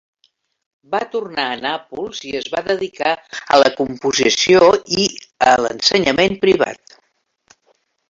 Va tornar a Nàpols i es va dedicar a la composició i a l'ensenyament privat.